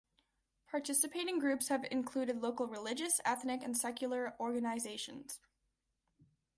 Participating groups have included local religious, ethnic, and secular organizations.